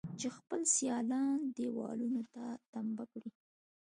چې خپل سيالان دېوالونو ته تمبه کړي.